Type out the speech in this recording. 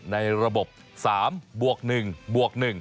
ในระบบ๓บวก๑บวก๑